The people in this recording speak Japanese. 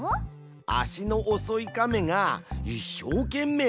足のおそいかめがいっしょうけんめい